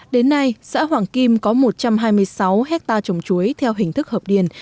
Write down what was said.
đến nay xã hoàng kim có một trăm hai mươi sáu hectare trồng chuối theo hình thức hợp điền